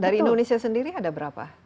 dari indonesia sendiri ada berapa